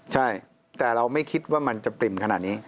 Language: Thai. ใช่แต่เราไม่คิดว่ามันจะปริ่มขนาดนี้